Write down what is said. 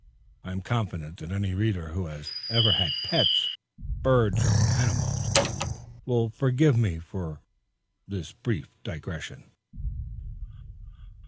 I am confident that any reader who has ever had pets, birds or animals, will forgive me for this brief digression.